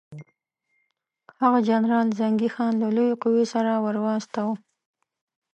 هغه جنرال زنګي خان له لویې قوې سره ورواستاوه.